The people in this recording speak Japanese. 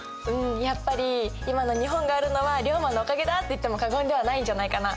やっぱり今の日本があるのは龍馬のおかげだって言っても過言ではないんじゃないかな。